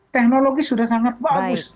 teknologi sudah sangat bagus